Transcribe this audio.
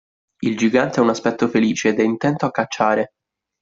Il gigante ha un aspetto felice ed è intento a cacciare.